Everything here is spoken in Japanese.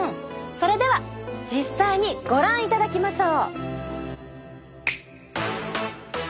それでは実際にご覧いただきましょう！